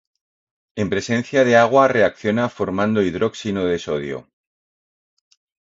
En presencia de agua reacciona formando hidróxido de sodio.